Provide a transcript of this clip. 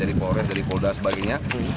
dari korea dari kolda sebagainya